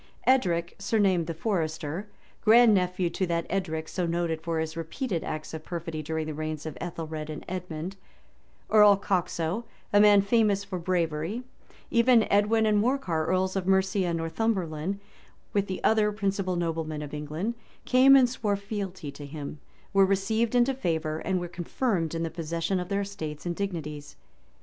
Edric, surnamed the Forester, grand nephew to that Edric so noted for his repeated acts of perfidy during the reigns of Ethelred and Edmond; Earl Coxo, a man famous for bravery; even Edwin and Morcar, earls of Mercia and Northumberland; with the other principal noblemen of England, came and swore fealty to him; were received into favor; and were confirmed in the possession of their estates and dignities.